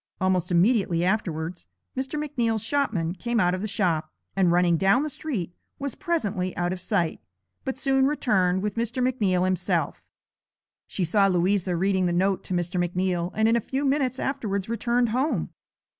Almost immediately afterwards Mr. McNeal's shopman came out of the shop, and, running down the street, was presently out of sight, but soon returned with Mr. McNeal himself. She saw Louisa reading the note to Mr. McNeal, and in a few minutes afterwards returned home.